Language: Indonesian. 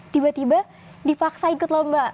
tiba tiba dipaksa ikut lomba